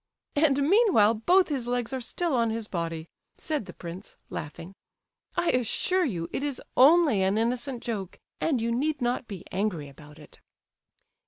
"And, meanwhile both his legs are still on his body," said the prince, laughing. "I assure you, it is only an innocent joke, and you need not be angry about it."